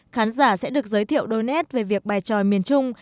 khán giả sẽ được giới thiệu đôi nét về việc bài tròi miền trung